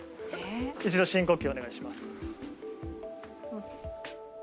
一度深呼吸をお願いします。